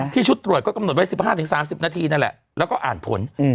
ชุดตรวจก็กำหนดไว้๑๕๓๐นาทีนั่นแหละแล้วก็อ่านผล